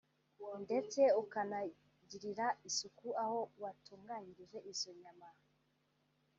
ndetse ukanagirira isuku aho watunganirije izo nyama